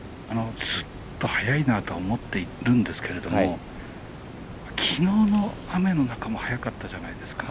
ずっと速いなとは思っているんですけどきのうの雨の中も速かったじゃないですか。